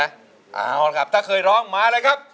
เอาละครับถ้าเคยร้องมาเลยครับ